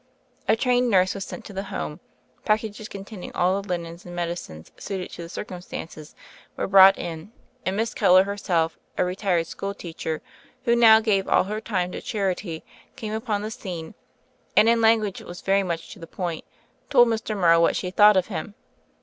A trained nurse was sent to the home, padcages containing all the linens and THE FAIRY OF THE SNOWS 91 medicines suited to the circumstances were brought in, and Miss Keller herself, a retired school teacher, who now gave all her time to charity, came upon the scene, and, in language that was very much to the point, told Mr. Mor row what she thought of him.